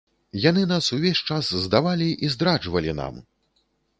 Яны нас увесь час здавалі і здраджвалі нам!